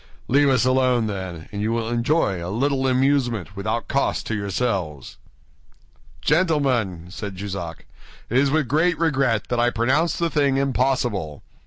Leave us alone, then, and you will enjoy a little amusement without cost to yourselves." "Gentlemen," said Jussac, "it is with great regret that I pronounce the thing impossible.